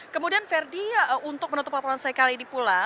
kemudian verdi untuk menutup laporan saya kali ini pula